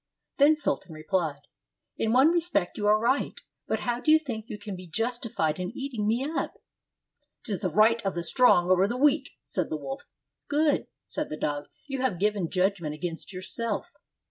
" Then Sultan replied, "In one respect you are right, but how do you think you can be justified in eating me up?" " 'T is the right of the strong over the weak," said the wolf. "Good!" said the dog, "you have given judgment against yourself."